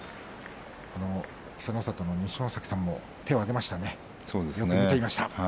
審判の二所ノ関さんも右手を挙げました。